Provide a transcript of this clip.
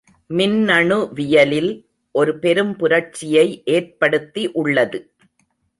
மின்னணுவியலில் ஒரு பெரும் புரட்சியை ஏற்படுத்தி உள்ளது.